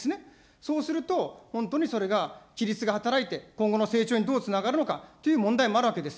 そうすると、本当にそれが、規律が働いて、今後の成長にどうつながるのかという問題もあるわけです。